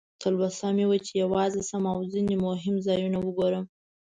تلوسه مې وه چې یوازې شم او ځینې مهم ځایونه وګورم.